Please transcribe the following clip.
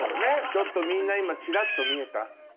ちょっとみんな今チラっと見えた？